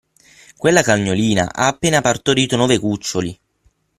Quella cagnolina ha appena partorito nove cuccioli.